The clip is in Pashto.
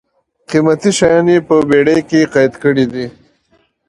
قېمتي شیان یې په بېړۍ کې قید کړي دي.